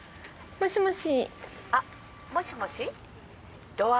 もしもし？